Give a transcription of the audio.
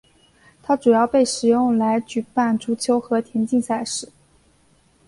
它主要被使用来举办足球和田径赛事。